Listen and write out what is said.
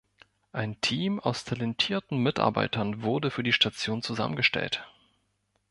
Ein Team aus talentierten Mitarbeitern wurde für die Station zusammengestellt.